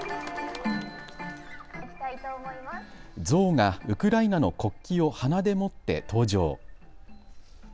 ゾウがウクライナの国旗を鼻で持って登場。